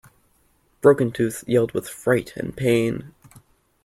Broken-Tooth yelled with fright and pain.